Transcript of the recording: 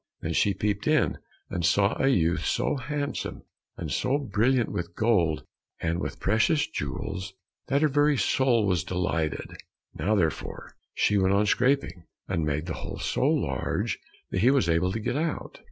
Then she peeped in, and saw a youth so handsome, and so brilliant with gold and with precious jewels, that her very soul was delighted. Now, therefore, she went on scraping, and made the hole so large that he was able to get out.